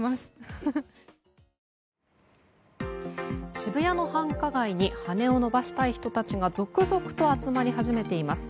渋谷の繁華街に羽を伸ばしたい人たちが続々と集まり始めています。